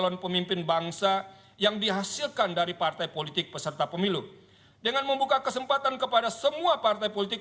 dengan membuka kesempatan kepada semua partai politik